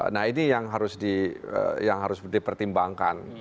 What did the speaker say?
nah ini yang harus dipertimbangkan